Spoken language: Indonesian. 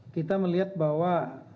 kita melihat bahwa